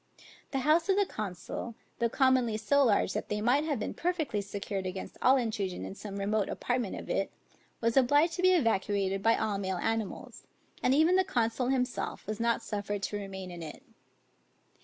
The house of the consul, though commonly so large that they might have been perfectly secured against all intrusion in some remote apartment of it, was obliged to be evacuated by all male animals, and even the consul himself was not suffered to remain in it.